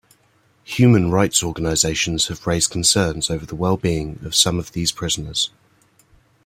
Human rights organisations have raised concerns over the well-being of some of these prisoners.